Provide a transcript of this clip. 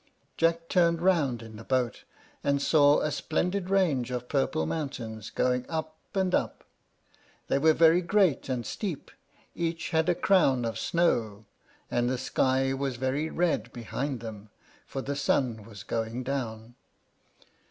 Jack turned round in the boat, and saw a splendid range of purple mountains, going up and up. They were very great and steep, each had a crown of snow, and the sky was very red behind them, for the sun was going down.